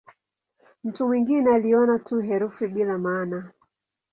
Mtu mwingine aliona tu herufi bila maana.